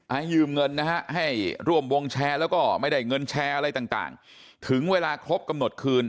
ให้ยืมเงินนะฮะให้ร่วมวงแชร์แล้วก็ไม่ได้เงินแชร์อะไรต่างถึงเวลาครบกำหนดคืน